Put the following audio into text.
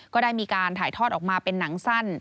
ก็ได้มีการถ่ายทอดออกมาเป็นหนังสั้น